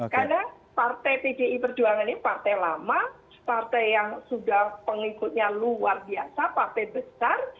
karena partai pgi berjuangannya partai lama partai yang sudah pengikutnya luar biasa partai besar